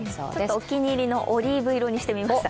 お気に入りのオリーブ色にしてみました。